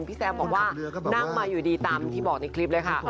แซมบอกว่านั่งมาอยู่ดีตามที่บอกในคลิปเลยค่ะ